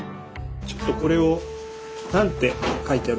ちょっとこれを何て書いてあるか。